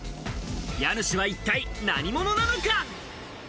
家主は一体何者なのか？